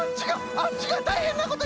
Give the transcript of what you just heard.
あっちがたいへんなことになってる！